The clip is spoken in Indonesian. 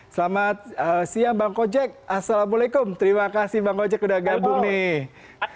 selamat siang bang kojek assalamualaikum terima kasih bang gojek udah gabung nih